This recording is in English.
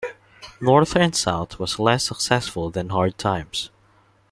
"North and South" was less successful than "Hard Times".